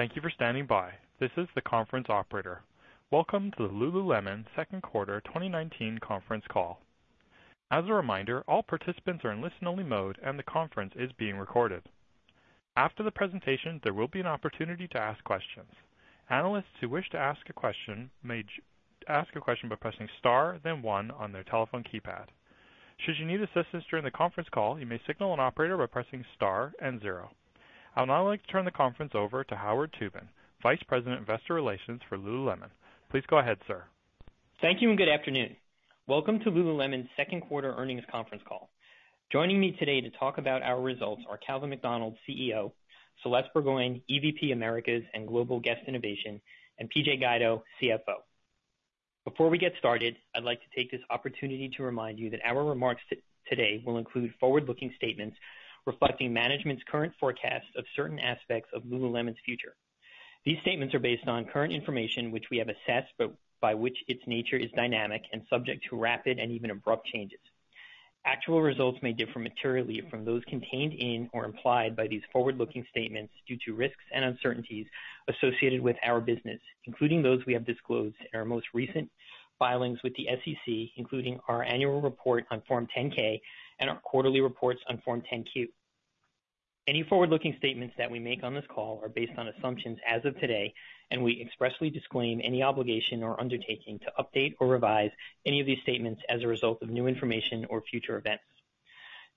Thank you for standing by. This is the conference operator. Welcome to the Lululemon second quarter 2019 conference call. As a reminder, all participants are in listen only mode and the conference is being recorded. After the presentation, there will be an opportunity to ask questions. Analysts who wish to ask a question may ask a question by pressing star then one on their telephone keypad. Should you need assistance during the conference call, you may signal an operator by pressing star and zero. I would now like to turn the conference over to Howard Tubin, Vice President, Investor Relations for Lululemon. Please go ahead, sir. Thank you and good afternoon. Welcome to Lululemon's second quarter earnings conference call. Joining me today to talk about our results are Calvin McDonald, CEO, Celeste Burgoyne, EVP, Americas and Global Guest Innovation, and Patrick Guido, CFO. Before we get started, I'd like to take this opportunity to remind you that our remarks today will include forward-looking statements reflecting management's current forecasts of certain aspects of Lululemon's future. These statements are based on current information, which we have assessed, but by which its nature is dynamic and subject to rapid and even abrupt changes. Actual results may differ materially from those contained in or implied by these forward-looking statements due to risks and uncertainties associated with our business, including those we have disclosed in our most recent filings with the SEC, including our annual report on Form 10-K and our quarterly reports on Form 10-Q. Any forward-looking statements that we make on this call are based on assumptions as of today, and we expressly disclaim any obligation or undertaking to update or revise any of these statements as a result of new information or future events.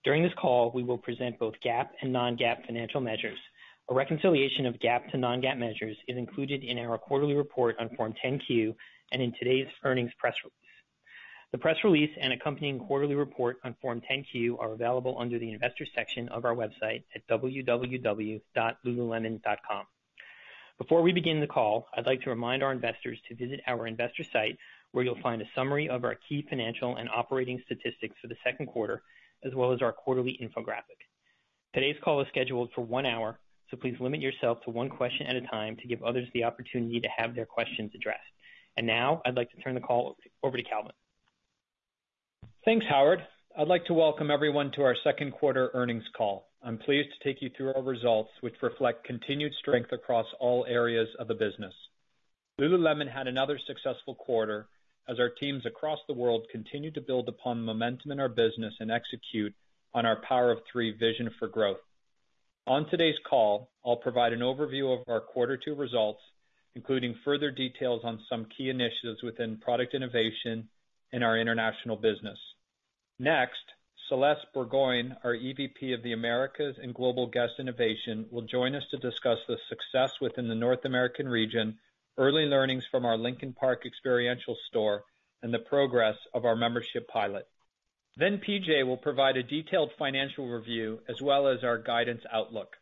During this call, we will present both GAAP and non-GAAP financial measures. A reconciliation of GAAP to non-GAAP measures is included in our quarterly report on Form 10-Q and in today's earnings press release. The press release and accompanying quarterly report on Form 10-Q are available under the investor section of our website at www.lululemon.com. Before we begin the call, I'd like to remind our investors to visit our investor site, where you'll find a summary of our key financial and operating statistics for the second quarter, as well as our quarterly infographic. Today's call is scheduled for one hour, so please limit yourself to one question at a time to give others the opportunity to have their questions addressed. Now I'd like to turn the call over to Calvin. Thanks, Howard. I'd like to welcome everyone to our second quarter earnings call. I'm pleased to take you through our results, which reflect continued strength across all areas of the business. Lululemon had another successful quarter as our teams across the world continued to build upon momentum in our business and execute on our Power of Three vision for growth. On today's call, I'll provide an overview of our quarter two results, including further details on some key initiatives within product innovation in our international business. Celeste Burgoyne, our EVP of the Americas and Global Guest Innovation, will join us to discuss the success within the North American region, early learnings from our Lincoln Park experiential store, and the progress of our membership pilot. PJ will provide a detailed financial review as well as our guidance outlook.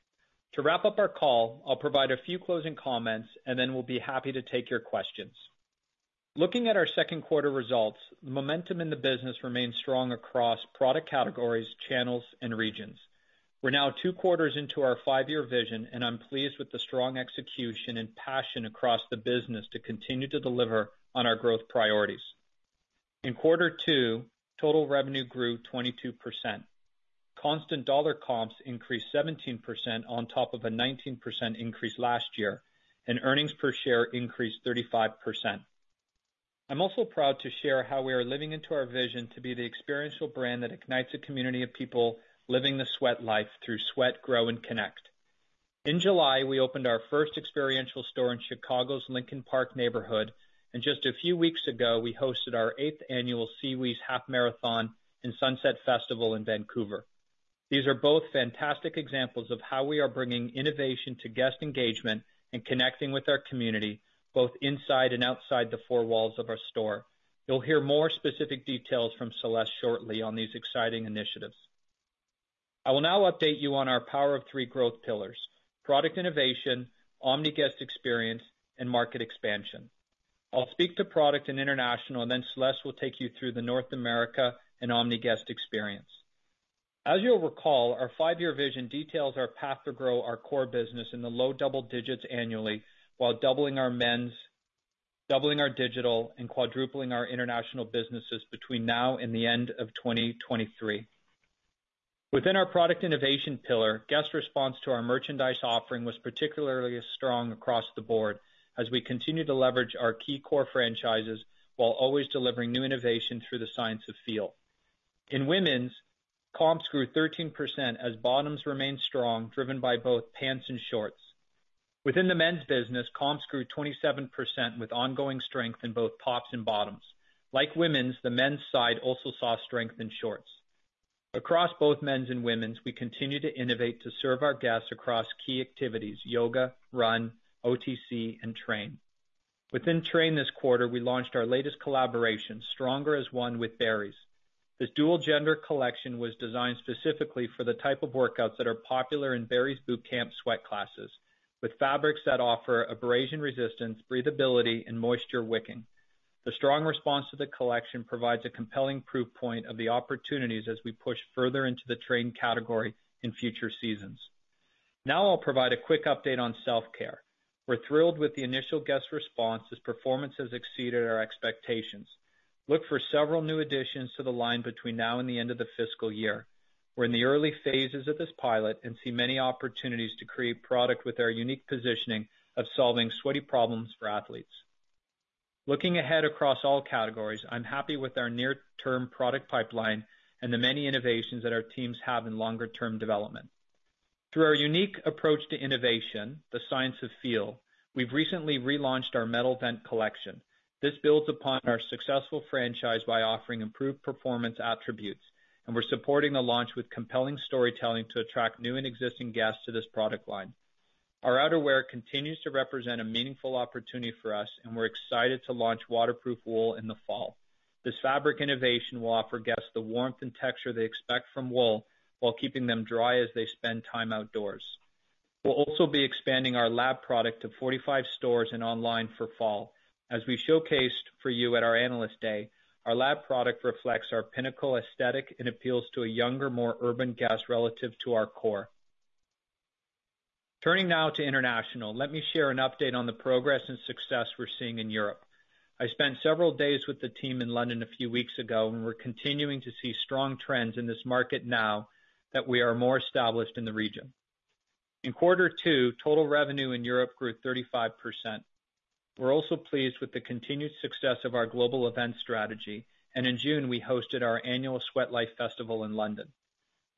To wrap up our call, I'll provide a few closing comments, and then we'll be happy to take your questions. Looking at our second quarter results, the momentum in the business remains strong across product categories, channels, and regions. We're now two quarters into our five-year vision, and I'm pleased with the strong execution and passion across the business to continue to deliver on our growth priorities. In quarter two, total revenue grew 22%. Constant dollar comps increased 17% on top of a 19% increase last year, and earnings per share increased 35%. I'm also proud to share how we are living into our vision to be the experiential brand that ignites a community of people living the Sweatlife through sweat, grow, and connect. In July, we opened our first experiential store in Chicago's Lincoln Park neighborhood, and just a few weeks ago, we hosted our eighth annual SeaWheeze Half Marathon and Sunset Festival in Vancouver. These are both fantastic examples of how we are bringing innovation to guest engagement and connecting with our community, both inside and outside the four walls of our store. You'll hear more specific details from Celeste shortly on these exciting initiatives. I will now update you on our Power of Three growth pillars: product innovation, omni guest experience, and market expansion. I'll speak to product and international, and then Celeste will take you through the North America and omni guest experience. As you'll recall, our five-year vision details our path to grow our core business in the low double digits annually while doubling our men's, doubling our digital, and quadrupling our international businesses between now and the end of 2023. Within our product innovation pillar, guest response to our merchandise offering was particularly strong across the board as we continue to leverage our key core franchises while always delivering new innovation through the Science of Feel. In women's, comps grew 13% as bottoms remained strong, driven by both pants and shorts. Within the men's business, comps grew 27% with ongoing strength in both tops and bottoms. Like women's, the men's side also saw strength in shorts. Across both men's and women's, we continue to innovate to serve our guests across key activities yoga, run, OTC, and train. Within train this quarter, we launched our latest collaboration, Stronger As One with Barry's. This dual gender collection was designed specifically for the type of workouts that are popular in Barry's Bootcamp sweat classes, with fabrics that offer abrasion resistance, breathability, and moisture wicking. The strong response to the collection provides a compelling proof point of the opportunities as we push further into the train category in future seasons. Now I'll provide a quick update on self-care. We're thrilled with the initial guest response as performance has exceeded our expectations. Look for several new additions to the line between now and the end of the fiscal year. We're in the early phases of this pilot and see many opportunities to create product with our unique positioning of solving sweaty problems for athletes. Looking ahead across all categories, I'm happy with our near-term product pipeline and the many innovations that our teams have in longer-term development. Through our unique approach to innovation, the Science of Feel, we've recently relaunched our Metal Vent collection. This builds upon our successful franchise by offering improved performance attributes, and we're supporting the launch with compelling storytelling to attract new and existing guests to this product line. Our outerwear continues to represent a meaningful opportunity for us, and we're excited to launch Waterproof Wool in the fall. This fabric innovation will offer guests the warmth and texture they expect from wool while keeping them dry as they spend time outdoors. We'll also be expanding our Lab product to 45 stores and online for fall. As we showcased for you at our Analyst Day, our Lab product reflects our pinnacle aesthetic and appeals to a younger, more urban guest relative to our core. Turning now to international, let me share an update on the progress and success we're seeing in Europe. I spent several days with the team in London a few weeks ago. We're continuing to see strong trends in this market now that we are more established in the region. In Q2, total revenue in Europe grew 35%. We're also pleased with the continued success of our global event strategy, and in June, we hosted our annual Sweatlife Festival in London.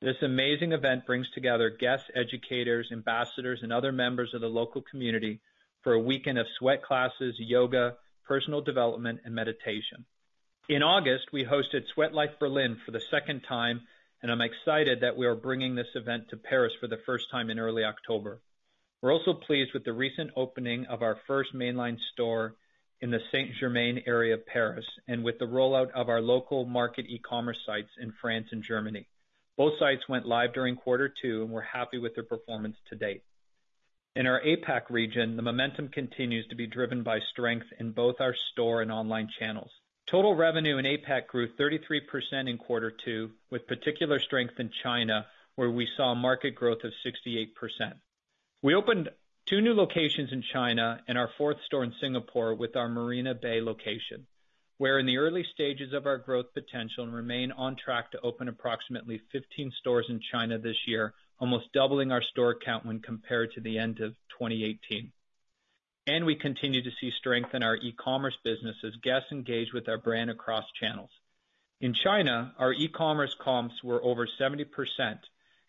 This amazing event brings together guests, educators, ambassadors, and other members of the local community for a weekend of sweat classes, yoga, personal development, and meditation. In August, we hosted Sweatlife Berlin for the second time, and I'm excited that we are bringing this event to Paris for the first time in early October. We're also pleased with the recent opening of our first mainline store in the Saint-Germain area of Paris and with the rollout of our local market e-commerce sites in France and Germany. Both sites went live during quarter two, and we're happy with their performance to date. In our APAC region, the momentum continues to be driven by strength in both our store and online channels. Total revenue in APAC grew 33% in quarter two with particular strength in China, where we saw market growth of 68%. We opened two new locations in China and our fourth store in Singapore with our Marina Bay location. We're in the early stages of our growth potential and remain on track to open approximately 15 stores in China this year, almost doubling our store count when compared to the end of 2018. We continue to see strength in our e-commerce business as guests engage with our brand across channels. In China, our e-commerce comps were over 70%,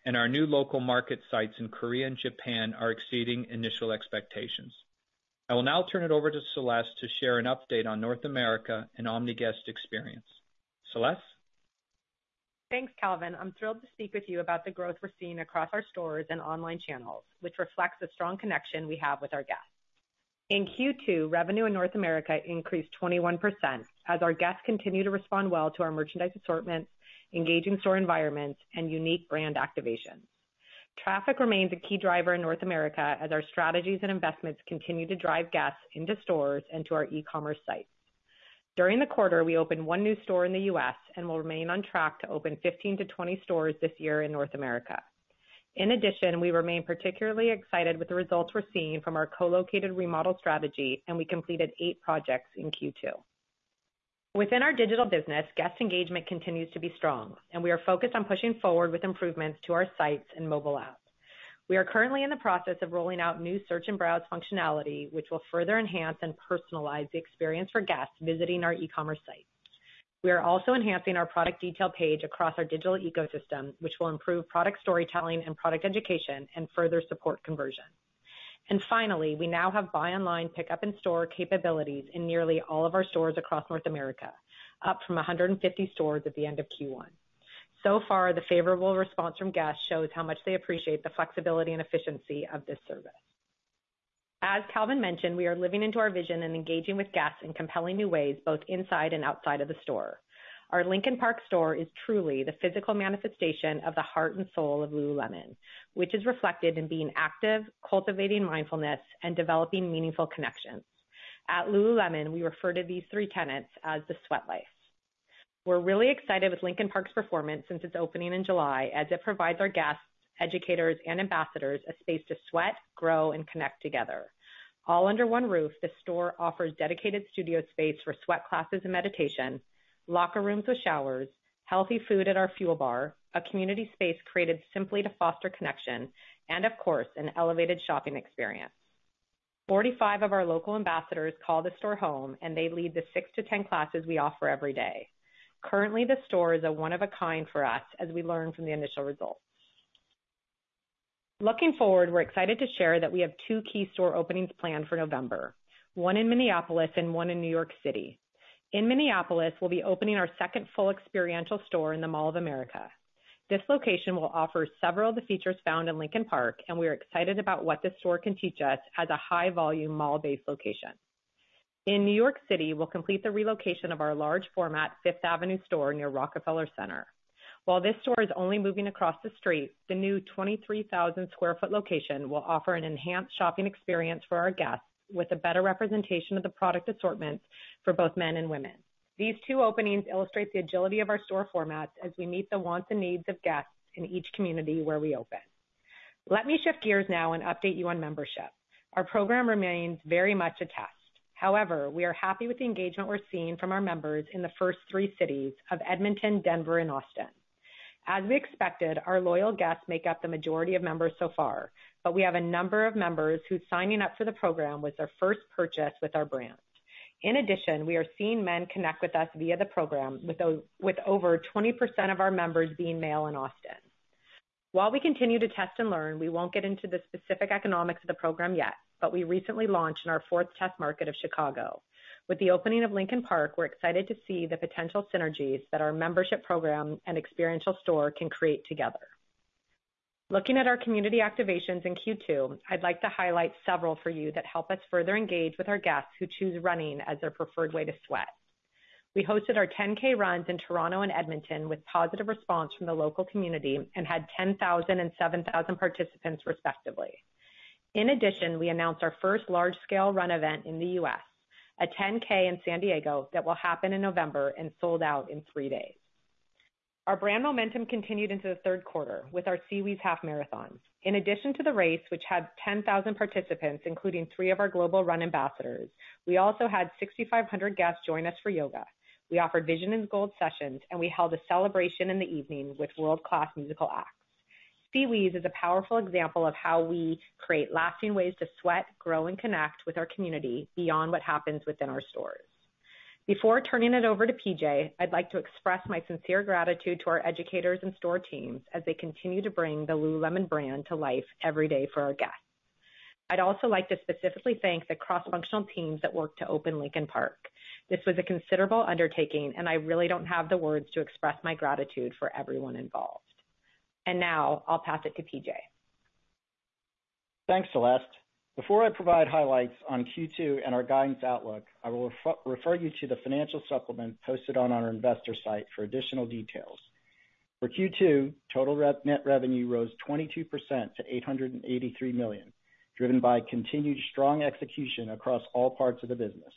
and our new local market sites in Korea and Japan are exceeding initial expectations. I will now turn it over to Celeste to share an update on North America and omni-guest experience. Celeste? Thanks, Calvin. I'm thrilled to speak with you about the growth we're seeing across our stores and online channels, which reflects the strong connection we have with our guests. In Q2, revenue in North America increased 21% as our guests continue to respond well to our merchandise assortments, engaging store environments, and unique brand activation. Traffic remains a key driver in North America as our strategies and investments continue to drive guests into stores and to our e-commerce sites. During the quarter, we opened one new store in the U.S. and will remain on track to open 15 to 20 stores this year in North America. In addition, we remain particularly excited with the results we're seeing from our co-located remodel strategy, and we completed eight projects in Q2. Within our digital business, guest engagement continues to be strong, and we are focused on pushing forward with improvements to our sites and mobile app. We are currently in the process of rolling out new search and browse functionality, which will further enhance and personalize the experience for guests visiting our e-commerce site. We are also enhancing our product detail page across our digital ecosystem, which will improve product storytelling and product education and further support conversion. Finally, we now have buy online, pickup in store capabilities in nearly all of our stores across North America, up from 150 stores at the end of Q1. Far, the favorable response from guests shows how much they appreciate the flexibility and efficiency of this service. As Calvin mentioned, we are living into our vision and engaging with guests in compelling new ways, both inside and outside of the store. Our Lincoln Park store is truly the physical manifestation of the heart and soul of Lululemon, which is reflected in being active, cultivating mindfulness, and developing meaningful connections. At Lululemon, we refer to these three tenets as The Sweat Life. We're really excited with Lincoln Park's performance since its opening in July, as it provides our guests, educators, and ambassadors a space to sweat, grow, and connect together. All under one roof, this store offers dedicated studio space for sweat classes and meditation, locker rooms with showers, healthy food at our fuel bar, a community space created simply to foster connection, and of course, an elevated shopping experience. 45 of our local ambassadors call the store home, and they lead the six to 10 classes we offer every day. Currently, the store is one of a kind for us as we learn from the initial results. Looking forward, we're excited to share that we have two key store openings planned for November. One in Minneapolis and one in New York City. In Minneapolis, we'll be opening our second full experiential store in the Mall of America. This location will offer several of the features found in Lincoln Park, and we are excited about what this store can teach us as a high volume mall-based location. In New York City, we'll complete the relocation of our large format Fifth Avenue store near Rockefeller Center. While this store is only moving across the street, the new 23,000 square foot location will offer an enhanced shopping experience for our guests with a better representation of the product assortment for both men and women. These two openings illustrate the agility of our store formats as we meet the wants and needs of guests in each community where we open. Let me shift gears now and update you on membership. Our program remains very much a test. We are happy with the engagement we're seeing from our members in the first three cities of Edmonton, Denver and Austin. As we expected, our loyal guests make up the majority of members so far, but we have a number of members whose signing up for the program was their first purchase with our brand. In addition, we are seeing men connect with us via the program, with over 20% of our members being male in Austin. While we continue to test and learn, we won't get into the specific economics of the program yet, but we recently launched in our fourth test market of Chicago. With the opening of Lincoln Park, we're excited to see the potential synergies that our membership program and experiential store can create together. Looking at our community activations in Q2, I'd like to highlight several for you that help us further engage with our guests who choose running as their preferred way to sweat. We hosted our 10K runs in Toronto and Edmonton with positive response from the local community and had 10,000 and 7,000 participants respectively. In addition, we announced our first large-scale run event in the U.S., a 10K in San Diego that will happen in November and sold out in three days. Our brand momentum continued into the third quarter with our SeaWheeze Half Marathons. In addition to the race, which had 10,000 participants, including three of our global run ambassadors, we also had 6,500 guests join us for yoga. We offered Vision and Goals sessions, and we held a celebration in the evening with world-class musical acts. SeaWheeze is a powerful example of how we create lasting ways to sweat, grow, and connect with our community beyond what happens within our stores. Before turning it over to PJ, I'd like to express my sincere gratitude to our educators and store teams as they continue to bring the Lululemon brand to life every day for our guests. I'd also like to specifically thank the cross-functional teams that worked to open Lincoln Park. This was a considerable undertaking, and I really don't have the words to express my gratitude for everyone involved. Now I'll pass it to PJ. Thanks, Celeste. Before I provide highlights on Q2 and our guidance outlook, I will refer you to the financial supplement posted on our investor site for additional details. For Q2, total net revenue rose 22% to $883 million, driven by continued strong execution across all parts of the business.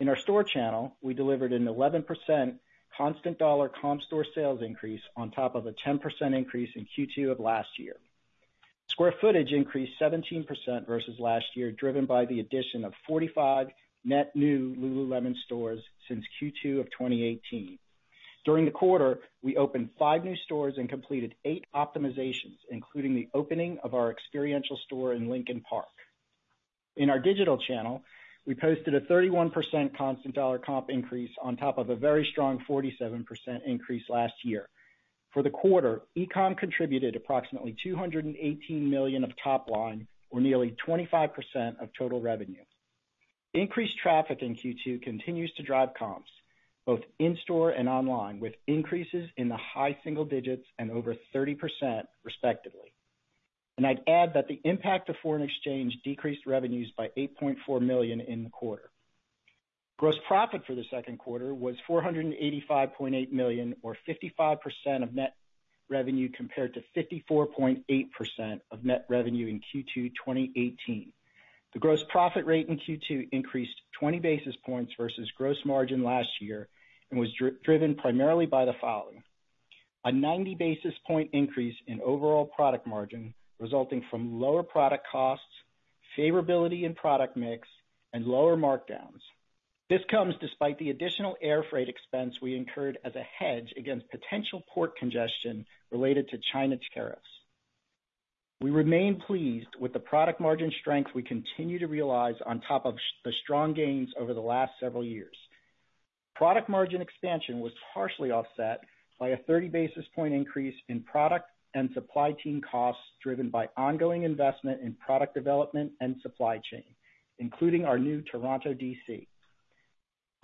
In our store channel, we delivered an 11% constant dollar comp store sales increase on top of a 10% increase in Q2 of last year. Square footage increased 17% versus last year, driven by the addition of 45 net new Lululemon stores since Q2 of 2018. During the quarter, we opened five new stores and completed eight optimizations, including the opening of our experiential store in Lincoln Park. In our digital channel, we posted a 31% constant dollar comp increase on top of a very strong 47% increase last year. For the quarter, e-com contributed approximately $218 million of top line, or nearly 25% of total revenue. Increased traffic in Q2 continues to drive comps both in-store and online, with increases in the high single digits and over 30% respectively. I'd add that the impact of foreign exchange decreased revenues by $8.4 million in the quarter. Gross profit for the second quarter was $485.8 million or 55% of net revenue, compared to 54.8% of net revenue in Q2 2018. The gross profit rate in Q2 increased 20 basis points versus gross margin last year and was driven primarily by the following. A 90 basis point increase in overall product margin, resulting from lower product costs, favorability in product mix, and lower markdowns. This comes despite the additional air freight expense we incurred as a hedge against potential port congestion related to China tariffs. We remain pleased with the product margin strength we continue to realize on top of the strong gains over the last several years. Product margin expansion was partially offset by a 30 basis point increase in product and supply team costs driven by ongoing investment in product development and supply chain, including our new Toronto DC,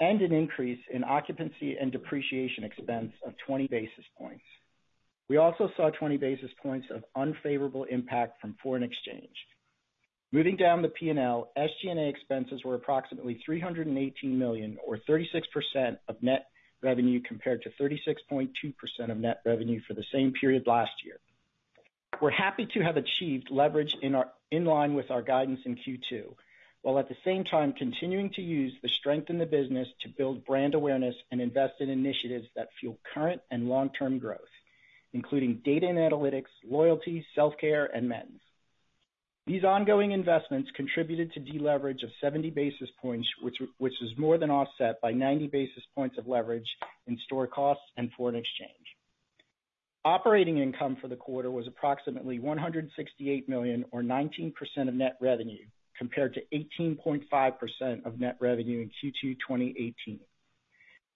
and an increase in occupancy and depreciation expense of 20 basis points. We also saw 20 basis points of unfavorable impact from foreign exchange. Moving down the P&L, SG&A expenses were approximately $318 million or 36% of net revenue, compared to 36.2% of net revenue for the same period last year. We're happy to have achieved leverage in line with our guidance in Q2, while at the same time continuing to use the strength in the business to build brand awareness and invest in initiatives that fuel current and long-term growth, including data and analytics, loyalty, self-care and men's. These ongoing investments contributed to deleverage of 70 basis points, which is more than offset by 90 basis points of leverage in store costs and foreign exchange. Operating income for the quarter was approximately $168 million or 19% of net revenue, compared to 18.5% of net revenue in Q2 2018.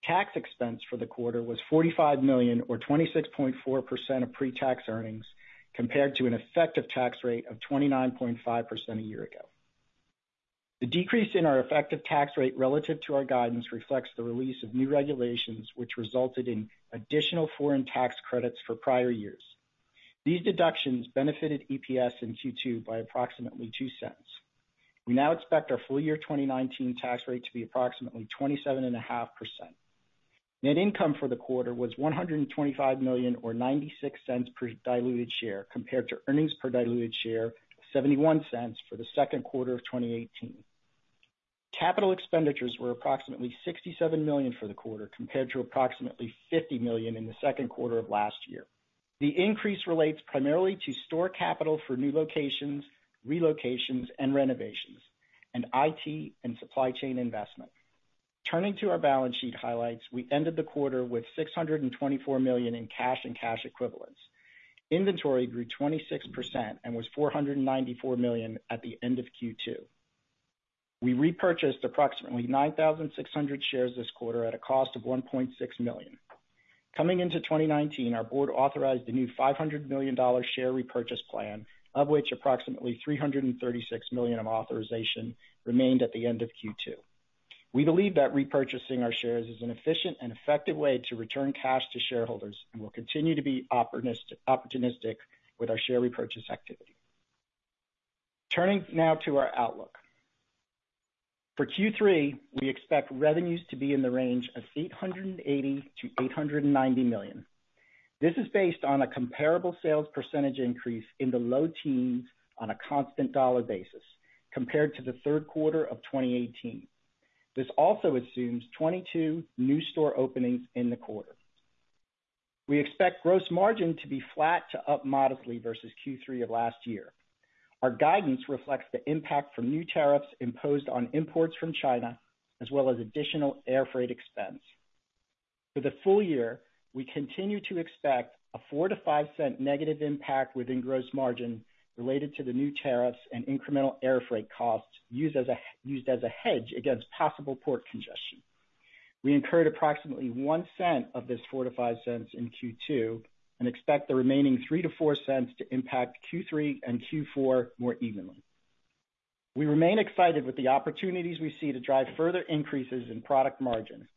Tax expense for the quarter was $45 million or 26.4% of pre-tax earnings, compared to an effective tax rate of 29.5% a year ago. The decrease in our effective tax rate relative to our guidance reflects the release of new regulations, which resulted in additional foreign tax credits for prior years. These deductions benefited EPS in Q2 by approximately $0.02. We now expect our full year 2019 tax rate to be approximately 27.5%. Net income for the quarter was $125 million, or $0.96 per diluted share, compared to earnings per diluted share of $0.71 for the second quarter of 2018. Capital expenditures were approximately $67 million for the quarter, compared to approximately $50 million in the second quarter of last year. The increase relates primarily to store capital for new locations, relocations, and renovations, and IT and supply chain investment. Turning to our balance sheet highlights, we ended the quarter with $624 million in cash and cash equivalents. Inventory grew 26% and was $494 million at the end of Q2. We repurchased approximately 9,600 shares this quarter at a cost of $1.6 million. Coming into 2019, our board authorized a new $500 million share repurchase plan, of which approximately $336 million of authorization remained at the end of Q2. We believe that repurchasing our shares is an efficient and effective way to return cash to shareholders and will continue to be opportunistic with our share repurchase activity. Turning now to our outlook. For Q3, we expect revenues to be in the range of $880 million-$890 million. This is based on a comparable sales % increase in the low teens on a constant dollar basis compared to the third quarter of 2018. This also assumes 22 new store openings in the quarter. We expect gross margin to be flat to up modestly versus Q3 of last year. Our guidance reflects the impact from new tariffs imposed on imports from China, as well as additional airfreight expense. For the full year, we continue to expect a $0.04-$0.05 negative impact within gross margin related to the new tariffs and incremental airfreight costs used as a hedge against possible port congestion. We incurred approximately $0.01 of this $0.04-$0.05 in Q2 and expect the remaining $0.03-$0.04 to impact Q3 and Q4 more evenly. We remain excited with the opportunities we see to drive further increases in product margin.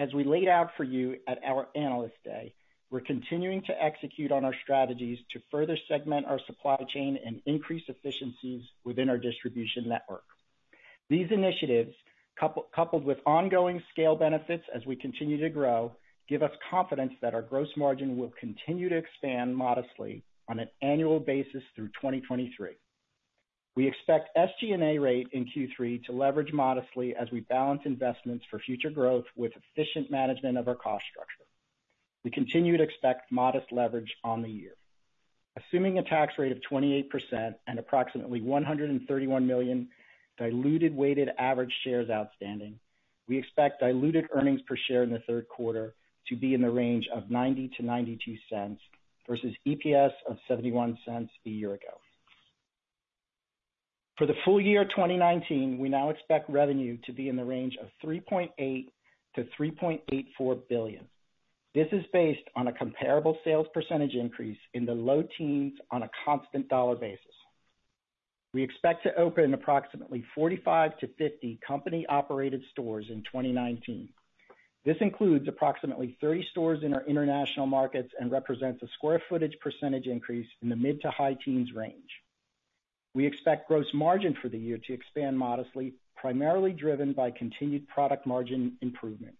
As we laid out for you at our Analyst Day, we're continuing to execute on our strategies to further segment our supply chain and increase efficiencies within our distribution network. These initiatives, coupled with ongoing scale benefits as we continue to grow, give us confidence that our gross margin will continue to expand modestly on an annual basis through 2023. We expect SG&A rate in Q3 to leverage modestly as we balance investments for future growth with efficient management of our cost structure. We continue to expect modest leverage on the year. Assuming a tax rate of 28% and approximately 131 million diluted weighted average shares outstanding, we expect diluted earnings per share in the third quarter to be in the range of $0.90-$0.92 versus EPS of $0.71 a year ago. For the full year 2019, we now expect revenue to be in the range of $3.8 billion-$3.84 billion. This is based on a comparable sales % increase in the low teens on a constant dollar basis. We expect to open approximately 45-50 company-operated stores in 2019. This includes approximately 30 stores in our international markets and represents a square footage % increase in the mid to high teens range. We expect gross margin for the year to expand modestly, primarily driven by continued product margin improvement.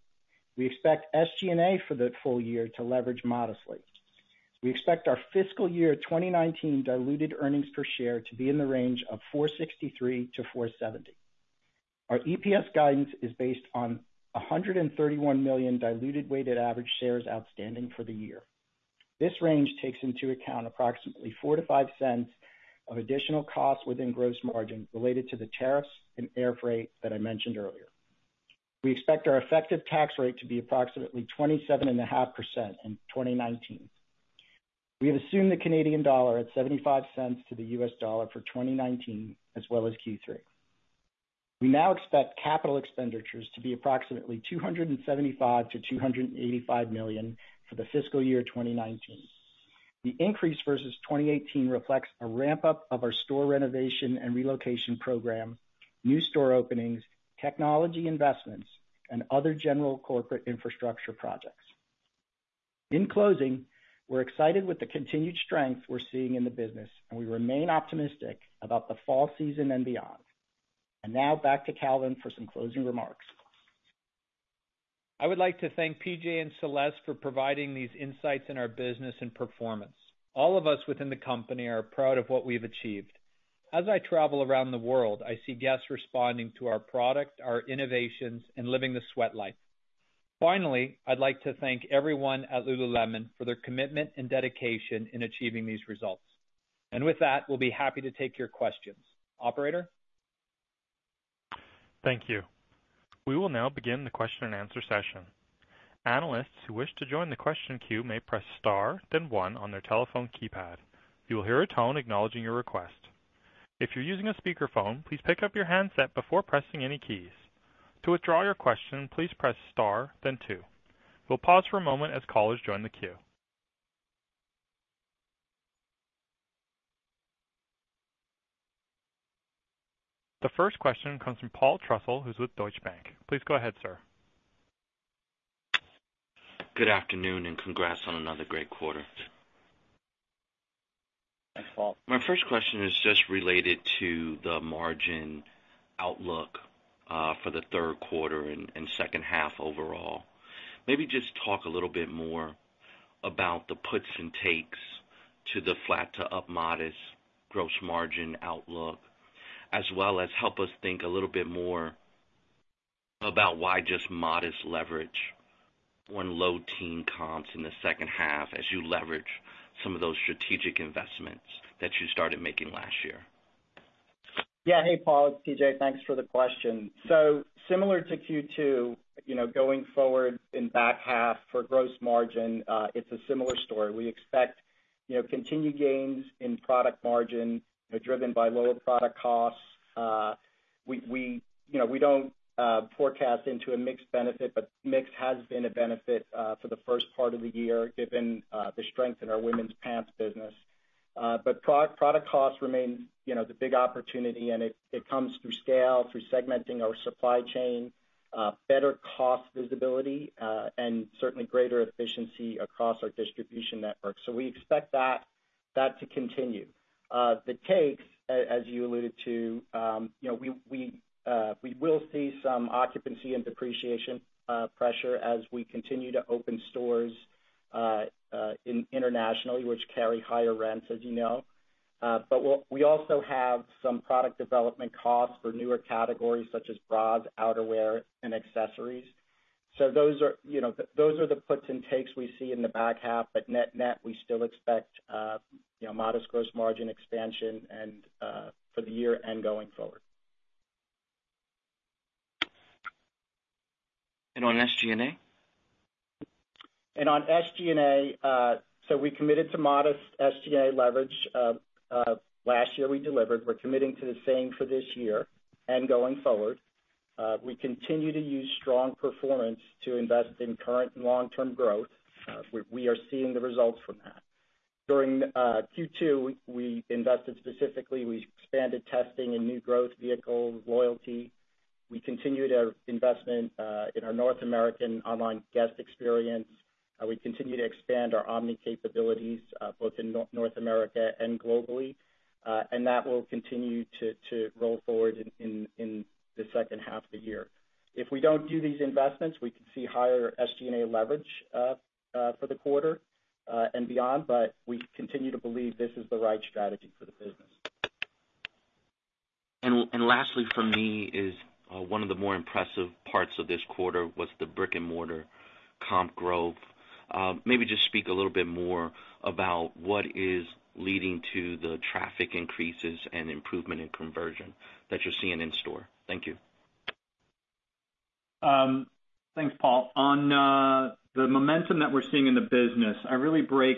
We expect SG&A for the full year to leverage modestly. We expect our fiscal year 2019 diluted earnings per share to be in the range of $4.63-$4.70. Our EPS guidance is based on 131 million diluted weighted average shares outstanding for the year. This range takes into account approximately $0.04-$0.05 of additional cost within gross margin related to the tariffs in airfreight that I mentioned earlier. We expect our effective tax rate to be approximately 27.5% in 2019. We have assumed the Canadian dollar at $0.75 to the US dollar for 2019 as well as Q3. We now expect capital expenditures to be approximately $275 million-$285 million for the fiscal year 2019. The increase versus 2018 reflects a ramp-up of our store renovation and relocation program, new store openings, technology investments, and other general corporate infrastructure projects. In closing, we're excited with the continued strength we're seeing in the business, and we remain optimistic about the fall season and beyond. Now back to Calvin for some closing remarks. I would like to thank PJ and Celeste for providing these insights in our business and performance. All of us within the company are proud of what we've achieved. As I travel around the world, I see guests responding to our product, our innovations, and living the sweat life. Finally, I'd like to thank everyone at Lululemon for their commitment and dedication in achieving these results. With that, we'll be happy to take your questions. Operator? Thank you. We will now begin the question and answer session. Analysts who wish to join the question queue may press star then one on their telephone keypad. You will hear a tone acknowledging your request. If you're using a speakerphone, please pick up your handset before pressing any keys. To withdraw your question, please press star then two. We'll pause for a moment as callers join the queue. The first question comes from Paul Trussell who's with Deutsche Bank. Please go ahead, sir. Good afternoon, congrats on another great quarter, Paul. My first question is just related to the margin outlook for the third quarter and second half overall. Maybe just talk a little bit more about the puts and takes to the flat to up modest gross margin outlook, as well as help us think a little bit more about why just modest leverage when low-teen comps in the second half as you leverage some of those strategic investments that you started making last year. Hey, Paul, it's PJ, thanks for the question. Similar to Q2, going forward in the back half for gross margin, it's a similar story. We expect continued gains in product margin, driven by lower product costs. We don't forecast into a mixed benefit, but mix has been a benefit for the first part of the year, given the strength in our women's pants business. Product cost remains the big opportunity, and it comes through scale, through segmenting our supply chain, better cost visibility, and certainly greater efficiency across our distribution network. We expect that to continue. The takes, as you alluded to, we will see some occupancy and depreciation pressure as we continue to open stores internationally, which carry higher rents, as you know. We also have some product development costs for newer categories such as bras, outerwear, and accessories. Those are the puts and takes we see in the back half, but net net, we still expect modest gross margin expansion and for the year and going forward. On SG&A? On SG&A, we committed to modest SG&A leverage. Last year, we delivered. We're committing to the same for this year and going forward. We continue to use strong performance to invest in current and long-term growth. We are seeing the results from that. During Q2, we invested specifically, we expanded testing in new growth vehicles, loyalty. We continued our investment in our North American online guest experience. We continue to expand our omni capabilities both in North America and globally. That will continue to roll forward in the second half of the year. If we don't do these investments, we could see higher SG&A leverage for the quarter and beyond, but we continue to believe this is the right strategy for the business. Lastly from me is, one of the more impressive parts of this quarter was the brick and mortar comp growth. Maybe just speak a little bit more about what is leading to the traffic increases and improvement in conversion that you're seeing in store. Thank you. Thanks, Paul. On the momentum that we're seeing in the business, I really break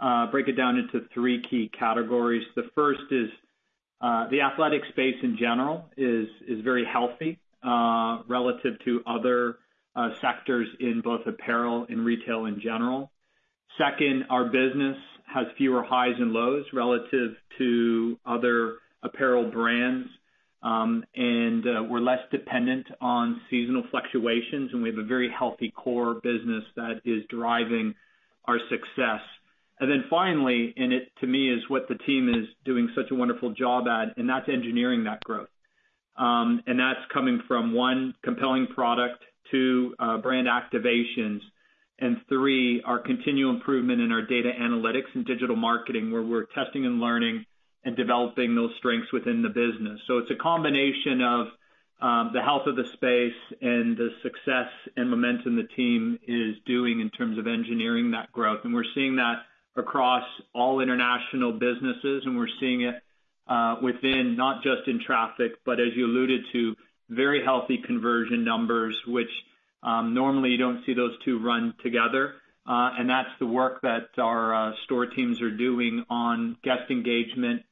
it down into three key categories. The first is the athletic space, in general, is very healthy relative to other sectors in both apparel and retail in general. Second, our business has fewer highs and lows relative to other apparel brands. We're less dependent on seasonal fluctuations, and we have a very healthy core business that is driving our success. Then finally, and it to me, is what the team is doing such a wonderful job at, and that's engineering that growth. That's coming from one, compelling product, two, brand activations, and three, our continued improvement in our data analytics and digital marketing, where we're testing and learning and developing those strengths within the business. It's a combination of the health of the space and the success and momentum the team is doing in terms of engineering that growth. We're seeing that across all international businesses, and we're seeing it within not just in traffic, but as you alluded to, very healthy conversion numbers, which normally you don't see those two run together. That's the work that our store teams are doing on guest engagement,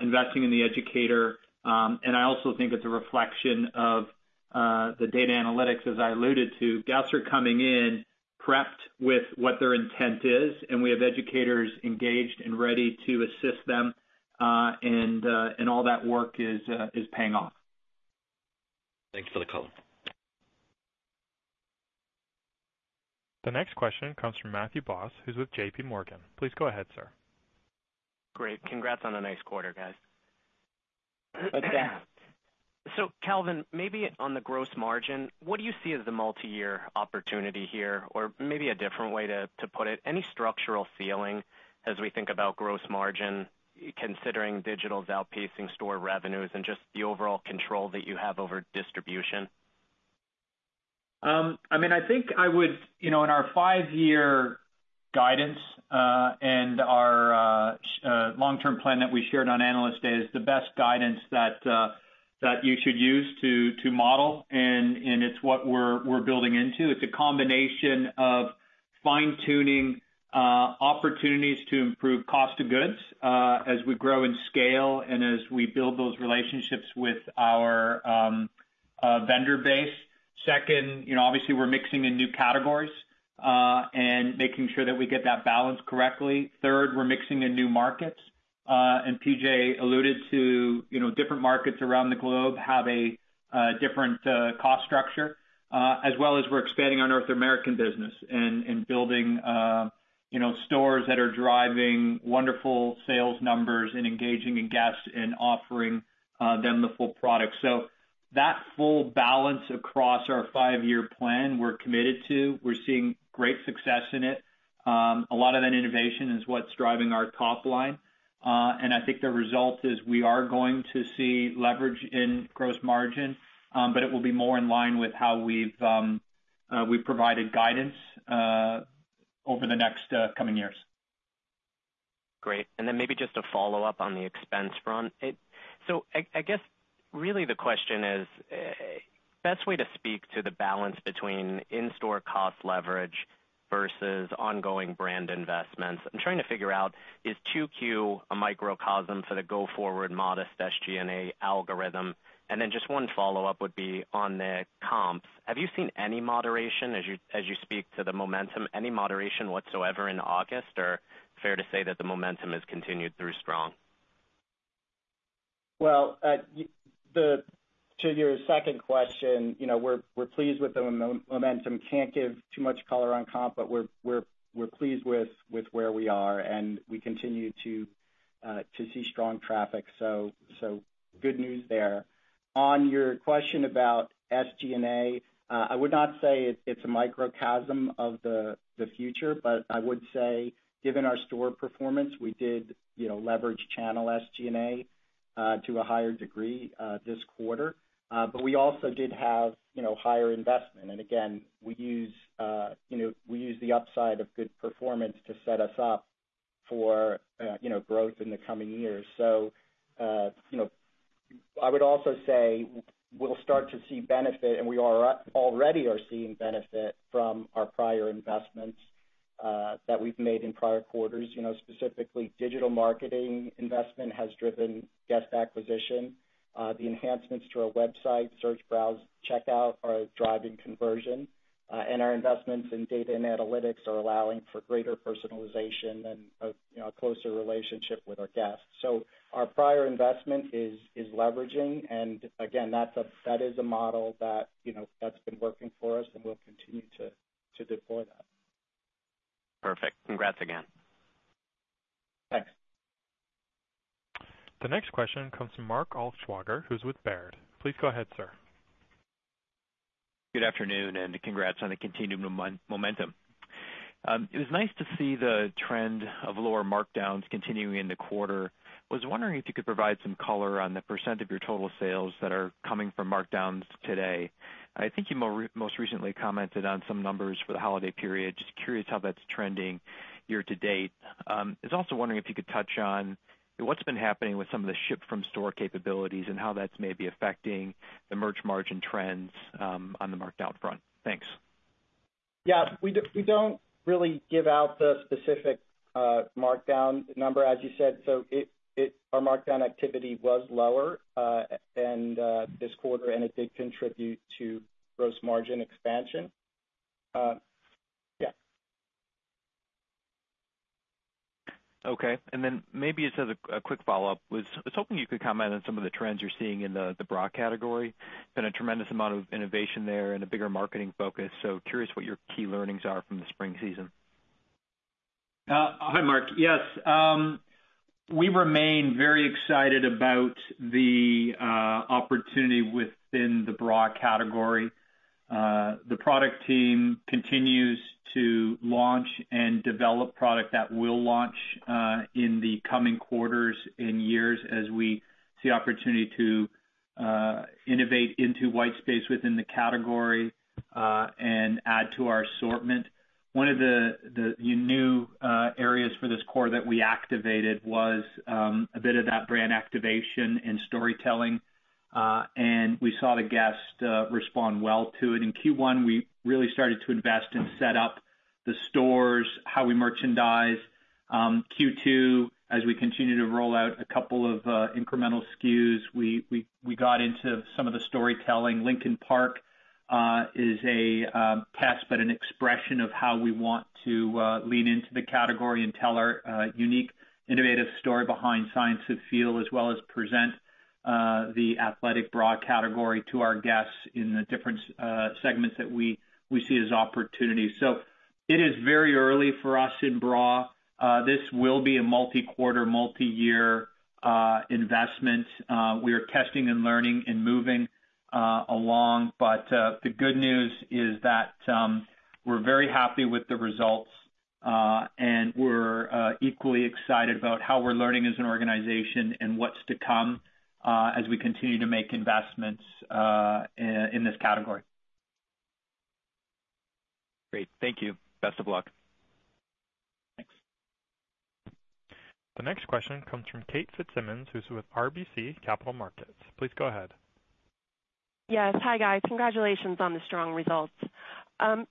investing in the educator. I also think it's a reflection of the data analytics, as I alluded to. Guests are coming in prepped with what their intent is, and we have educators engaged and ready to assist them. All that work is paying off. Thank you for the call. The next question comes from Matthew Boss, who's with JPMorgan. Please go ahead, sir. Great. Congrats on a nice quarter, guys. Thanks. Calvin, maybe on the gross margin, what do you see as the multi-year opportunity here? Maybe a different way to put it, any structural feeling as we think about gross margin, considering digital's outpacing store revenues and just the overall control that you have over distribution? In our five-year guidance, and our long-term plan that we shared on Analyst Day is the best guidance that you should use to model. It's what we're building into. It's a combination of fine-tuning opportunities to improve cost of goods as we grow and scale and as we build those relationships with our vendor base. Second, obviously, we're mixing in new categories, and making sure that we get that balance correctly. Third, we're mixing in new markets. PJ alluded to different markets around the globe have a different cost structure, as well as we're expanding our North American business and building stores that are driving wonderful sales numbers and engaging in guests and offering them the full product. So that full balance across our five-year plan, we're committed to. We're seeing great success in it. A lot of that innovation is what's driving our top line. I think the result is we are going to see leverage in gross margin, but it will be more in line with how we've provided guidance over the next coming years. Great. Maybe just a follow-up on the expense front. I guess really the question is, best way to speak to the balance between in-store cost leverage versus ongoing brand investments. I'm trying to figure out, is 2Q a microcosm for the go-forward modest SG&A algorithm? Just one follow-up would be on the comps. Have you seen any moderation as you speak to the momentum, any moderation whatsoever in August, or fair to say that the momentum has continued through strong? Well, to your second question, we're pleased with the momentum. Can't give too much color on comp, but we're pleased with where we are, and we continue to see strong traffic. Good news there. On your question about SG&A, I would not say it's a microcosm of the future, but I would say, given our store performance, we did leverage channel SG&A to a higher degree this quarter. We also did have higher investment. Again, we use the upside of good performance to set us up for growth in the coming years. I would also say we'll start to see benefit, and we already are seeing benefit from our prior investments that we've made in prior quarters. Specifically, digital marketing investment has driven guest acquisition. The enhancements to our website, search, browse, checkout are driving conversion. Our investments in data and analytics are allowing for greater personalization and a closer relationship with our guests. Our prior investment is leveraging, and again, that is a model that's been working for us, and we'll continue to deploy that. Perfect. Congrats again. Thanks. The next question comes from Mark Altschwager, who's with Baird. Please go ahead, sir. Good afternoon, congrats on the continued momentum. It was nice to see the trend of lower markdowns continuing in the quarter. I was wondering if you could provide some color on the % of your total sales that are coming from markdowns today. I think you most recently commented on some numbers for the holiday period. I was just curious how that's trending year-to-date. I was also wondering if you could touch on what's been happening with some of the ship from store capabilities and how that's maybe affecting the merch margin trends on the markdown front. Thanks. We don't really give out the specific markdown number, as you said. Our markdown activity was lower this quarter, and it did contribute to gross margin expansion. Okay. Maybe just as a quick follow-up, was hoping you could comment on some of the trends you're seeing in the bra category. Been a tremendous amount of innovation there and a bigger marketing focus. Curious what your key learnings are from the spring season. Hi, Mark. Yes. We remain very excited about the opportunity within the bra category. The product team continues to launch and develop product that will launch in the coming quarters and years as we see opportunity to innovate into white space within the category and add to our assortment. One of the new areas for this core that we activated was a bit of that brand activation and storytelling. We saw the guest respond well to it. In Q1, we really started to invest and set up the stores, how we merchandise. Q2, as we continue to roll out a couple of incremental SKUs, we got into some of the storytelling. Lincoln Park is a test, but an expression of how we want to lean into the category and tell our unique, innovative story behind Science of Feel, as well as present the athletic bra category to our guests in the different segments that we see as opportunities. It is very early for us in bra. This will be a multi-quarter, multi-year investment. We are testing and learning and moving along. The good news is that we're very happy with the results. We're equally excited about how we're learning as an organization and what's to come as we continue to make investments in this category. Great. Thank you. Best of luck. Thanks. The next question comes from Kate Fitzsimons, who's with RBC Capital Markets. Please go ahead. Yes. Hi, guys. Congratulations on the strong results.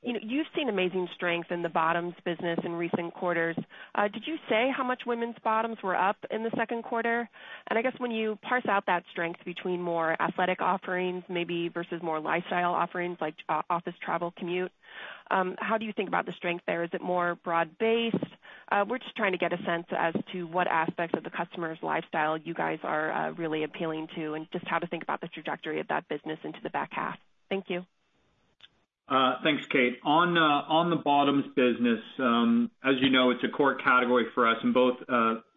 You've seen amazing strength in the bottoms business in recent quarters. Did you say how much women's bottoms were up in the second quarter? I guess when you parse out that strength between more athletic offerings maybe versus more lifestyle offerings like office travel commute, how do you think about the strength there? Is it more broad-based? We're just trying to get a sense as to what aspects of the customer's lifestyle you guys are really appealing to, and just how to think about the trajectory of that business into the back half. Thank you. Thanks, Kate. On the bottoms business, as you know, it's a core category for us in both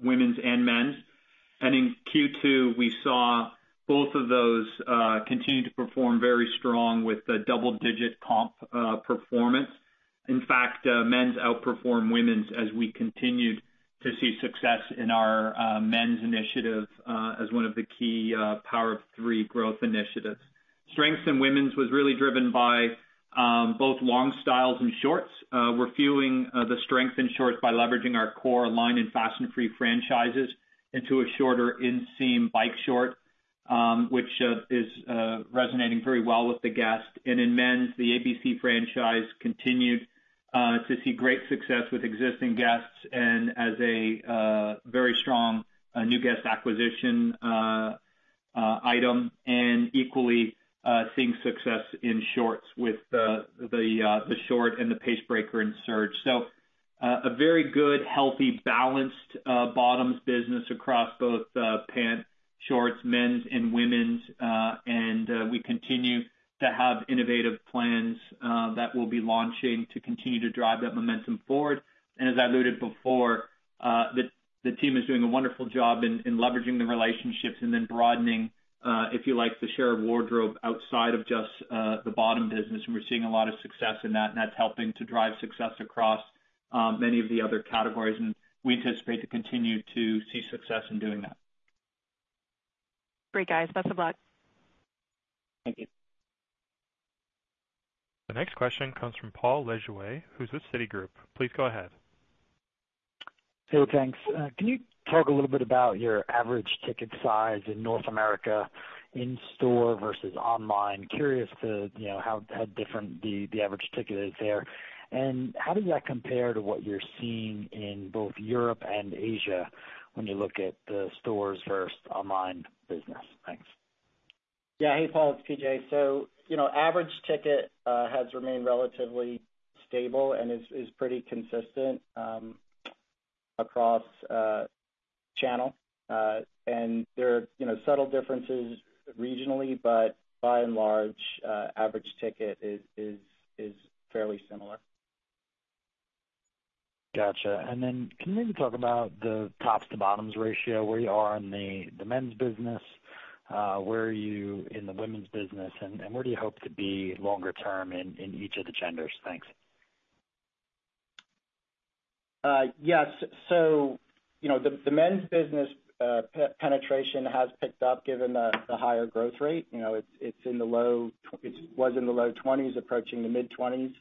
women's and men's. In Q2, we saw both of those continue to perform very strong with a double-digit comp performance. In fact, men's outperformed women's as we continued to see success in our men's initiative as one of the key Power of Three growth initiatives. Strength in women's was really driven by both long styles and shorts. We're fueling the strength in shorts by leveraging our core line in Fast and Free franchises into a shorter inseam bike short, which is resonating very well with the guest. In men's, the ABC franchise continued to see great success with existing guests and as a very strong new guest acquisition item. Equally, seeing success in shorts with the short and the Pace Breaker and Surge. A very good, healthy, balanced bottoms business across both pants, shorts, men's and women's. We continue to have innovative plans that we'll be launching to continue to drive that momentum forward. As I alluded before, the team is doing a wonderful job in leveraging the relationships and then broadening, if you like, the shared wardrobe outside of just the bottom business. We're seeing a lot of success in that. That's helping to drive success across many of the other categories. We anticipate to continue to see success in doing that. Great, guys. Best of luck. Thank you. The next question comes from Paul Lejuez, who is with Citigroup. Please go ahead. Hey, thanks. Can you talk a little bit about your average ticket size in North America in store versus online? Curious to how different the average ticket is there. How does that compare to what you're seeing in both Europe and Asia when you look at the stores versus online business? Thanks. Yeah. Hey, Paul, it's PJ. Average ticket has remained relatively stable and is pretty consistent across channel. There are subtle differences regionally, but by and large, average ticket is fairly similar. Got you. Can you maybe talk about the tops to bottoms ratio, where you are in the men's business, where are you in the women's business, and where do you hope to be longer term in each of the genders? Thanks. Yes. The men's business penetration has picked up given the higher growth rate. It was in the low 20s, approaching the mid-20s.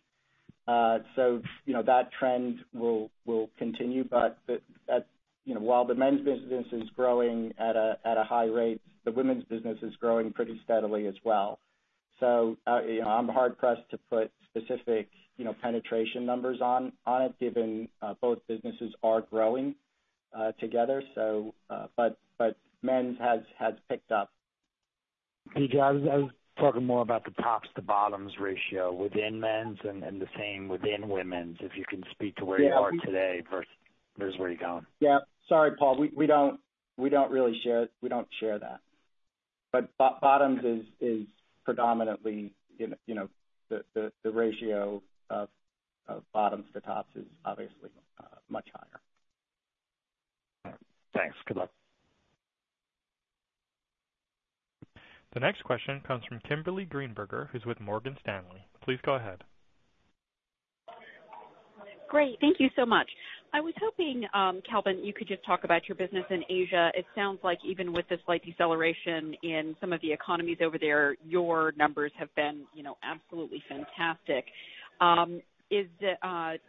That trend will continue, while the men's business is growing at a high rate, the women's business is growing pretty steadily as well. I'm hard pressed to put specific penetration numbers on it, given both businesses are growing together. Men's has picked up. PJ, I was talking more about the tops to bottoms ratio within men's and the same within women's. If you can speak to where you are today versus where you're going? Yeah. Sorry, Paul. We don't share that. The ratio of bottoms to tops is obviously much higher. All right. Thanks. Good luck. The next question comes from Kimberly Greenberger, who's with Morgan Stanley. Please go ahead. Great. Thank you so much. I was hoping, Calvin, you could just talk about your business in Asia. It sounds like even with the slight deceleration in some of the economies over there, your numbers have been absolutely fantastic. I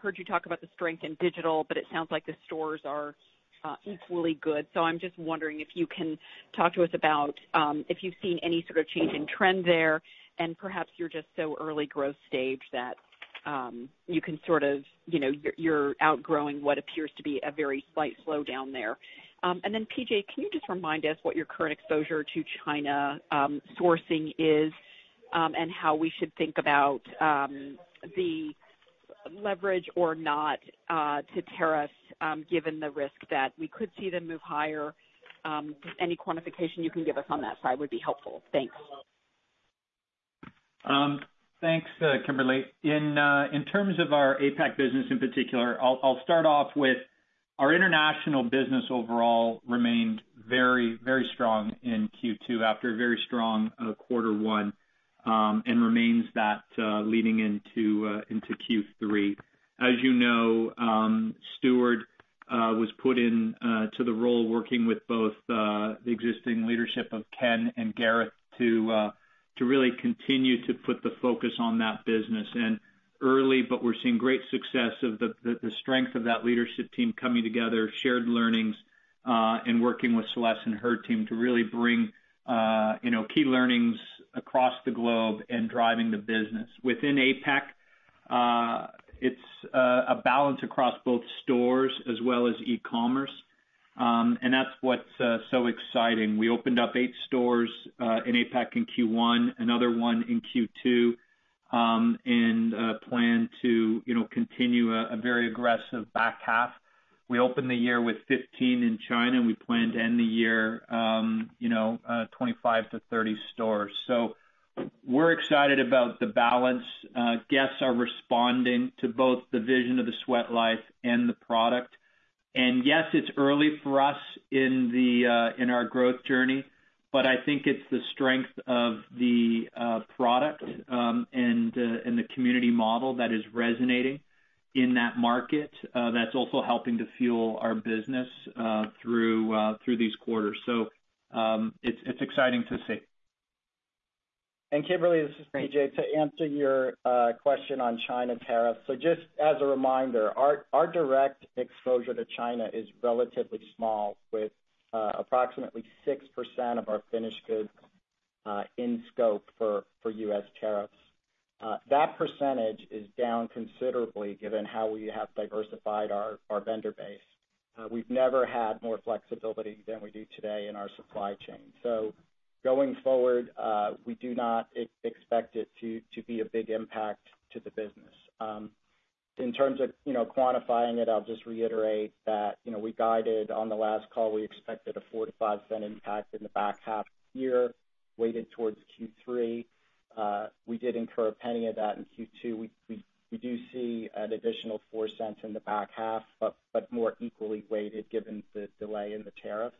heard you talk about the strength in digital, but it sounds like the stores are equally good. I'm just wondering if you can talk to us about if you've seen any sort of change in trend there, and perhaps you're just so early growth stage that you're outgrowing what appears to be a very slight slowdown there. Then, PJ, can you just remind us what your current exposure to China sourcing is and how we should think about the leverage or not to tariffs, given the risk that we could see them move higher? Just any quantification you can give us on that side would be helpful. Thanks. Thanks, Kimberly. In terms of our APAC business in particular, I'll start off with our international business overall remained very strong in Q2 after a very strong quarter one, and remains that leading into Q3. As you know, Stuart was put into the role working with both the existing leadership of Ken and Gareth to really continue to put the focus on that business. Early, but we're seeing great success of the strength of that leadership team coming together, shared learnings, and working with Celeste and her team to really bring key learnings across the globe and driving the business within APAC. It's a balance across both stores as well as e-commerce, and that's what's so exciting. We opened up eight stores in APAC in Q1, another one in Q2, and plan to continue a very aggressive back half. We opened the year with 15 in China, and we plan to end the year, 25 to 30 stores. We're excited about the balance. Guests are responding to both the vision of the sweat life and the product. Yes, it's early for us in our growth journey, but I think it's the strength of the product and the community model that is resonating in that market that's also helping to fuel our business through these quarters. It's exciting to see. Kimberly, this is PJ. To answer your question on China tariffs. Just as a reminder, our direct exposure to China is relatively small, with approximately 6% of our finished goods in scope for U.S. tariffs. That percentage is down considerably given how we have diversified our vendor base. We've never had more flexibility than we do today in our supply chain. Going forward, we do not expect it to be a big impact to the business. In terms of quantifying it, I'll just reiterate that we guided on the last call, we expected a $0.04-$0.05 impact in the back half of the year, weighted towards Q3. We did incur a $0.01 of that in Q2. We do see an additional $0.04 in the back half, but more equally weighted given the delay in the tariffs.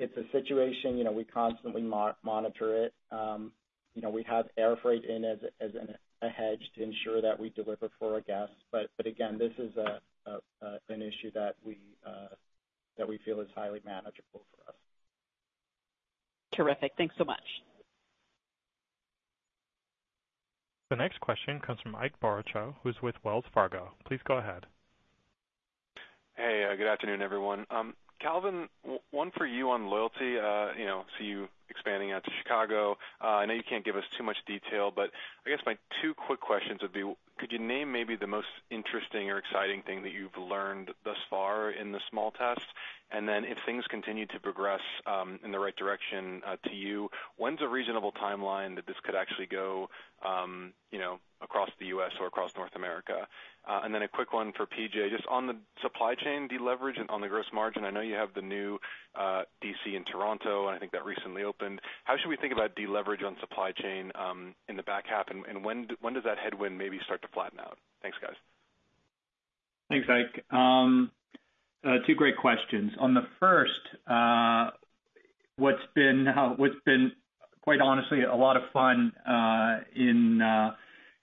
It's a situation, we constantly monitor it. We have air freight in as a hedge to ensure that we deliver for our guests. Again, this is an issue that we feel is highly manageable for us. Terrific. Thanks so much. The next question comes from Ike Boruchow, who's with Wells Fargo. Please go ahead. Hey, good afternoon, everyone. Calvin, one for you on loyalty. I see you expanding out to Chicago. I know you can't give us too much detail, I guess my two quick questions would be, could you name maybe the most interesting or exciting thing that you've learned thus far in the small test? If things continue to progress in the right direction to you, when is a reasonable timeline that this could actually go across the U.S. or across North America? A quick one for PJ, just on the supply chain deleverage on the gross margin. I know you have the new DC in Toronto, I think that recently opened. How should we think about deleverage on supply chain in the back half, when does that headwind maybe start to flatten out? Thanks, guys. Thanks, Ike. Two great questions. On the first, what's been quite honestly a lot of fun in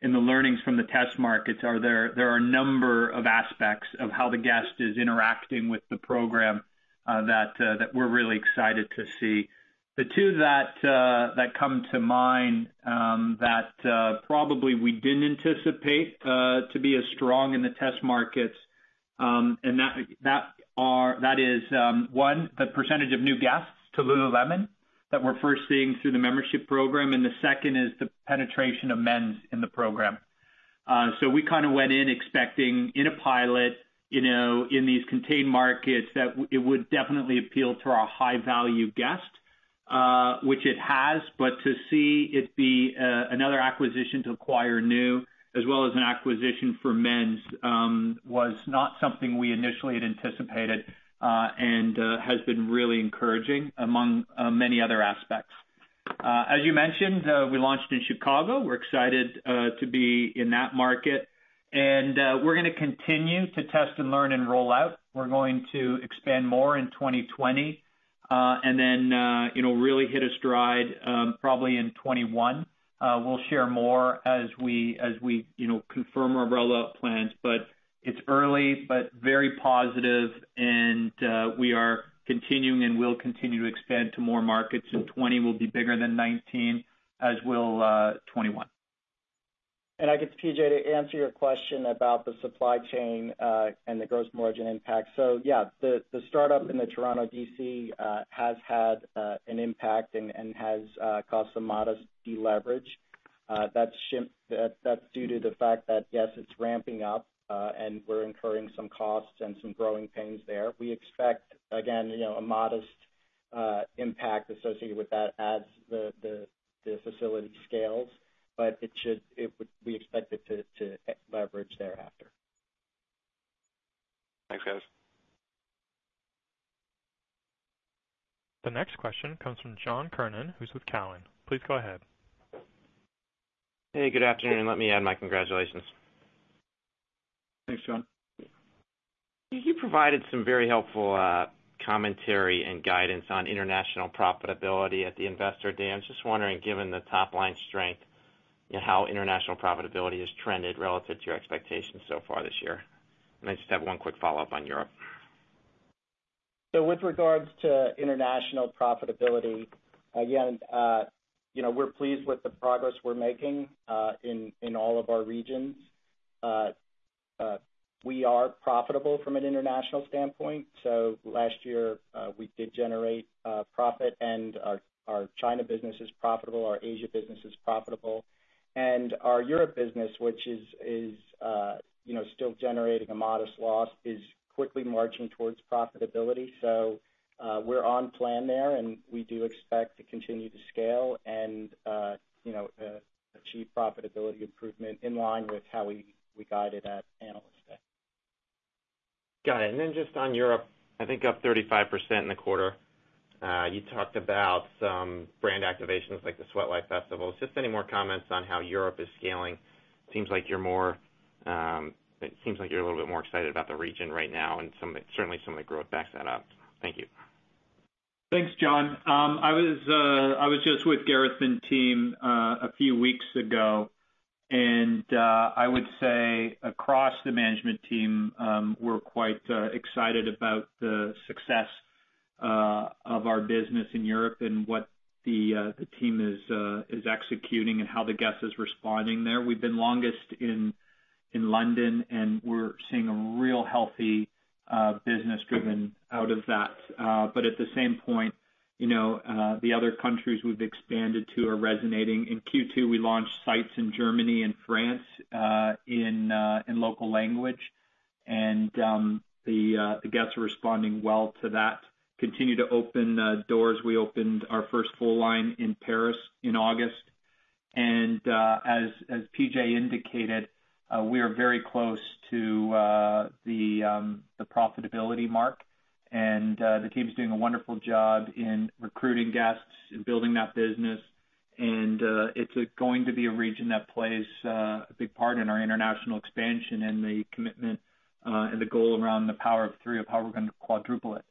the learnings from the test markets are there are a number of aspects of how the guest is interacting with the program that we're really excited to see. The two that come to mind that probably we didn't anticipate to be as strong in the test markets, and that is one, the percentage of new guests to Lululemon that we're first seeing through the membership program, and the second is the penetration of men's in the program. We went in expecting in a pilot, in these contained markets, that it would definitely appeal to our high-value guest, which it has. To see it be another acquisition to acquire new, as well as an acquisition for men's, was not something we initially had anticipated and has been really encouraging among many other aspects. As you mentioned, we launched in Chicago. We're excited to be in that market, and we're going to continue to test and learn and roll out. We're going to expand more in 2020, and then really hit a stride probably in 2021. We'll share more as we confirm our rollout plans. It's early, but very positive, and we are continuing and will continue to expand to more markets, and 2020 will be bigger than 2019, as will 2021. I guess, PJ, to answer your question about the supply chain and the gross margin impact. Yes, the startup in the Toronto DC has had an impact and has caused some modest deleverage. That's due to the fact that, yes, it's ramping up, and we're incurring some costs and some growing pains there. We expect, again, a modest impact associated with that as the facility scales, but we expect it to leverage thereafter. Thanks, guys. The next question comes from John Kernan, who's with Cowen. Please go ahead. Hey, good afternoon. Let me add my congratulations. Thanks, John. You provided some very helpful commentary and guidance on international profitability at the Investor Day. I'm just wondering, given the top-line strength, how international profitability has trended relative to your expectations so far this year. I just have one quick follow-up on Europe. With regards to international profitability, again, we're pleased with the progress we're making in all of our regions. We are profitable from an international standpoint. Last year, we did generate a profit and our China business is profitable, our Asia business is profitable. Our Europe business, which is still generating a modest loss, is quickly marching towards profitability. We're on plan there, and we do expect to continue to scale and achieve profitability improvement in line with how we guided at Analyst Day. Got it. Then just on Europe, I think up 35% in the quarter. You talked about some brand activations like the Sweatlife Festival. Any more comments on how Europe is scaling? It seems like you're a little bit more excited about the region right now, and certainly some of the growth backs that up. Thank you. Thanks, John. I was just with Gareth and team a few weeks ago, and I would say across the management team, we're quite excited about the success of our business in Europe and what the team is executing and how the guest is responding there. We've been longest in London, and we're seeing a real healthy business driven out of that. At the same point, the other countries we've expanded to are resonating. In Q2, we launched sites in Germany and France in local language. The guests are responding well to that. Continue to open doors. We opened our first full line in Paris in August. As PJ indicated, we are very close to the profitability mark, and the team's doing a wonderful job in recruiting guests and building that business. It's going to be a region that plays a big part in our international expansion and the commitment and the goal around the Power of Three, of how we're going to quadruple it.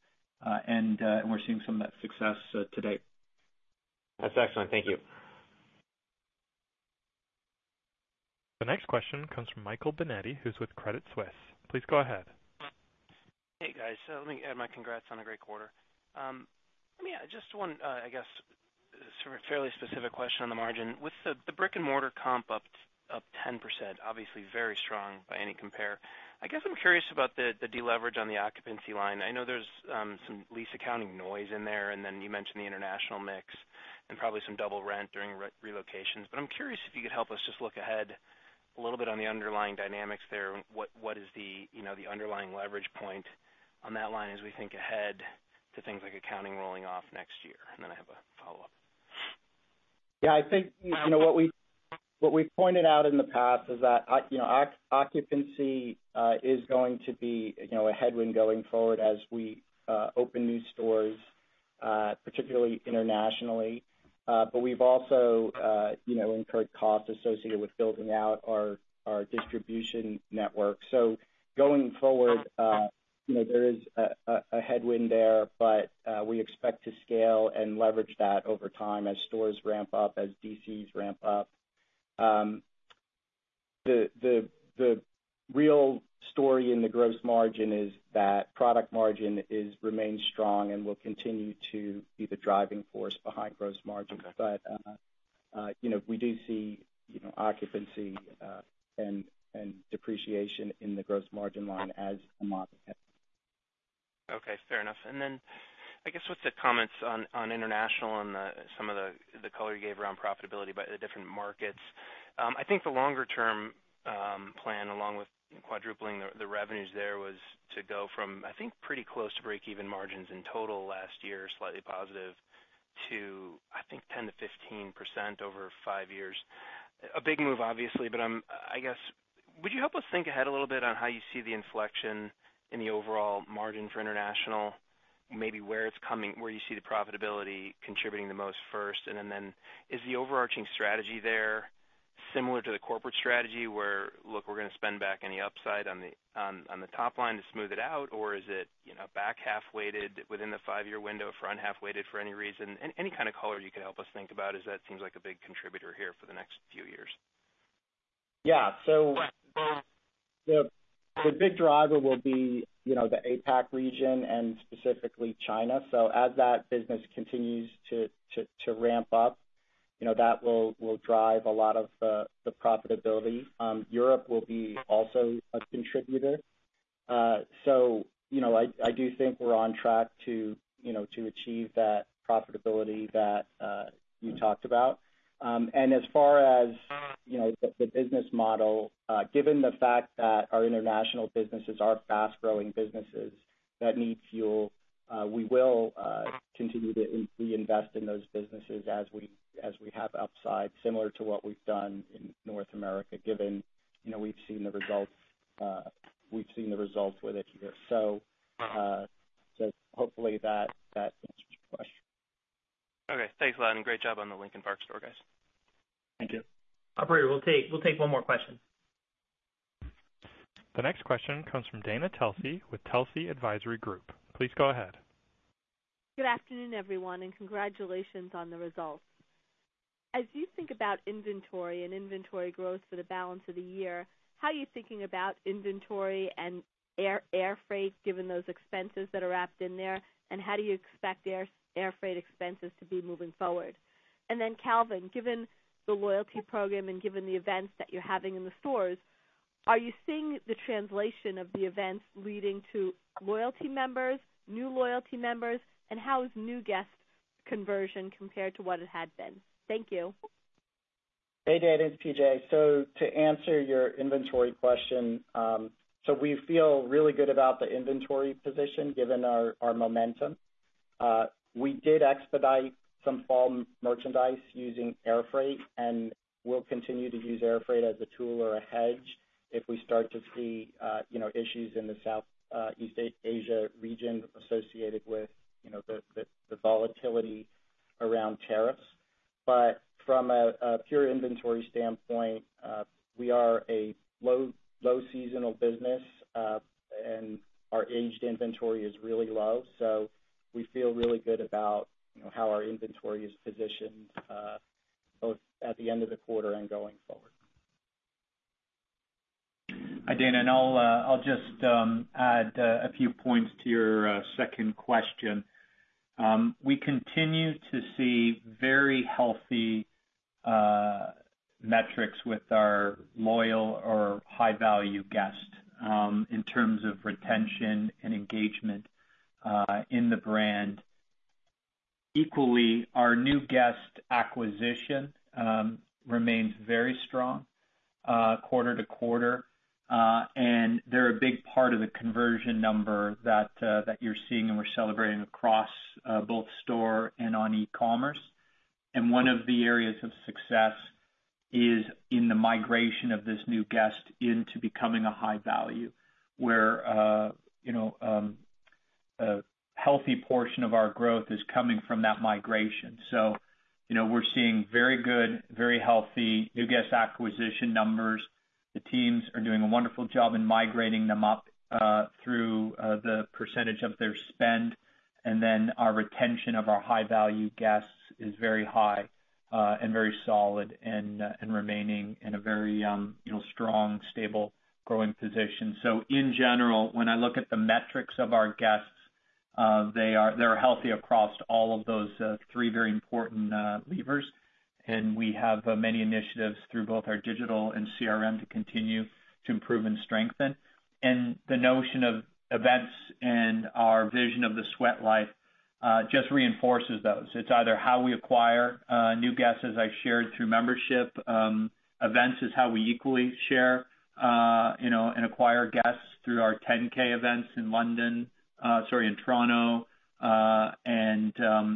We're seeing some of that success to date. That's excellent. Thank you. The next question comes from Michael Binetti, who's with Credit Suisse. Please go ahead. Hey, guys. Let me add my congrats on a great quarter. Just one, I guess, sort of fairly specific question on the margin. With the brick and mortar comp up 10%, obviously very strong by any compare. I guess I'm curious about the deleverage on the occupancy line. I know there's some lease accounting noise in there. You mentioned the international mix and probably some double rent during relocations. I'm curious if you could help us just look ahead a little bit on the underlying dynamics there. What is the underlying leverage point on that line as we think ahead to things like accounting rolling off next year? I have a follow-up. Yeah, I think what we've pointed out in the past is that occupancy is going to be a headwind going forward as we open new stores, particularly internationally. We've also incurred costs associated with building out our distribution network. Going forward, there is a headwind there, but we expect to scale and leverage that over time as stores ramp up, as DCs ramp up. The real story in the gross margin is that product margin remains strong and will continue to be the driving force behind gross margin. We do see occupancy and depreciation in the gross margin line as a modest headwind. Okay, fair enough. I guess with the comments on international and some of the color you gave around profitability by the different markets. The longer-term plan, along with quadrupling the revenues there, was to go from pretty close to break-even margins in total last year, slightly positive to 10%-15% over five years. A big move, obviously, I guess, would you help us think ahead a little bit on how you see the inflection in the overall margin for international, maybe where you see the profitability contributing the most first, is the overarching strategy there similar to the corporate strategy where, look, we're going to spend back any upside on the top line to smooth it out? Is it back half weighted within the five-year window, front half weighted for any reason? Any kind of color you could help us think about as that seems like a big contributor here for the next few years? Yeah. The big driver will be the APAC region and specifically China. As that business continues to ramp up, that will drive a lot of the profitability. Europe will be also a contributor. I do think we're on track to achieve that profitability that you talked about. As far as the business model, given the fact that our international businesses are fast-growing businesses that need fuel, we will continue to reinvest in those businesses as we have upside, similar to what we've done in North America, given we've seen the results with it here. Hopefully that answers your question. Okay. Thanks a lot. Great job on the Lincoln Park store, guys. Thank you. Operator, we'll take one more question. The next question comes from Dana Telsey with Telsey Advisory Group. Please go ahead. Good afternoon, everyone, congratulations on the results. As you think about inventory and inventory growth for the balance of the year, how are you thinking about inventory and air freight, given those expenses that are wrapped in there? How do you expect air freight expenses to be moving forward? Calvin, given the loyalty program and given the events that you're having in the stores, are you seeing the translation of the events leading to loyalty members, new loyalty members, and how is new guest conversion compared to what it had been? Thank you. Hey, Dana, it's PJ. To answer your inventory question, we feel really good about the inventory position, given our momentum. We did expedite some fall merchandise using air freight, we'll continue to use air freight as a tool or a hedge if we start to see issues in the Southeast Asia region associated with the volatility around tariffs. From a pure inventory standpoint, we are a low seasonal business, our aged inventory is really low. We feel really good about how our inventory is positioned both at the end of the quarter and going forward. Hi, Dana, I'll just add a few points to your second question. We continue to see very healthy metrics with our loyal or high-value guest in terms of retention and engagement in the brand. Equally, our new guest acquisition remains very strong quarter to quarter. They're a big part of the conversion number that you're seeing and we're celebrating across both store and on e-commerce. One of the areas of success is in the migration of this new guest into becoming a high value, where a healthy portion of our growth is coming from that migration. We're seeing very good, very healthy new guest acquisition numbers. The teams are doing a wonderful job in migrating them up through the percentage of their spend. Our retention of our high-value guests is very high and very solid and remaining in a very strong, stable growing position. In general, when I look at the metrics of our guests, they're healthy across all of those three very important levers, and we have many initiatives through both our digital and CRM to continue to improve and strengthen. The notion of events and our vision of the sweat life just reinforces those. It's either how we acquire new guests, as I shared through membership. Events is how we equally share and acquire guests through our 10K events in Toronto and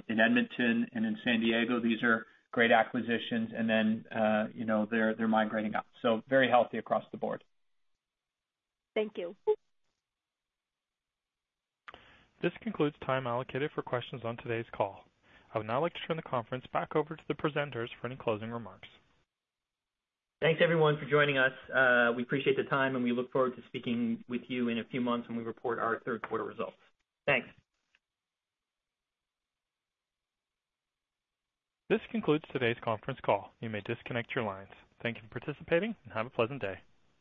in Edmonton and in San Diego. These are great acquisitions, and then they're migrating up. Very healthy across the board. Thank you. This concludes time allocated for questions on today's call. I would now like to turn the conference back over to the presenters for any closing remarks. Thanks, everyone, for joining us. We appreciate the time, and we look forward to speaking with you in a few months when we report our third quarter results. Thanks. This concludes today's conference call. You may disconnect your lines. Thank you for participating and have a pleasant day.